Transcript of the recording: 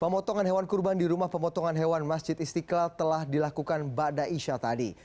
pemotongan hewan kurban di rumah pemotongan hewan masjid istiqlal telah dilakukan bada isya tadi